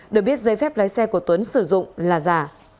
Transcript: được biết giấy phép lái xe của tuấn sử dụng là giả